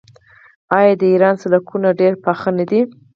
آیا د ایران سړکونه ډیر پاخه نه دي؟